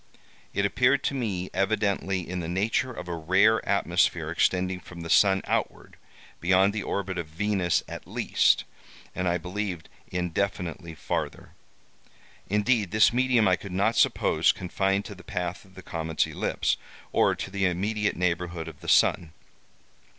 It appeared to me evidently in the nature of a rare atmosphere extending from the sun outward, beyond the orbit of Venus at least, and I believed indefinitely farther.(*2) Indeed, this medium I could not suppose confined to the path of the comet's ellipse, or to the immediate neighborhood of the sun.